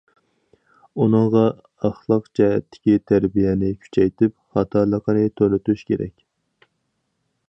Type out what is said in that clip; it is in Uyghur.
ئۇنىڭغا ئەخلاق جەھەتتىكى تەربىيەنى كۈچەيتىپ، خاتالىقىنى تونۇتۇش كېرەك.